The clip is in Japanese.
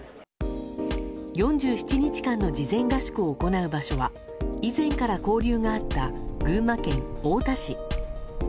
４７日間の事前合宿を行う場所は以前から交流があった群馬県太田市。